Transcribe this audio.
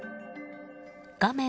画面